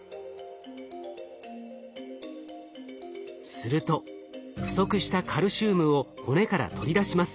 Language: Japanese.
すると不足したカルシウムを骨から取り出します。